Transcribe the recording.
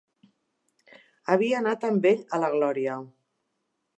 Havia anat amb ell a la gloria